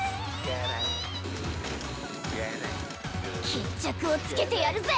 決着をつけてやるぜ！